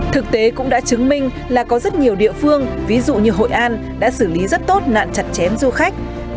thực tế cũng đã chứng minh là có rất nhiều địa phương ví dụ như hội an đã xử lý rất tốt nạn chặt chém du khách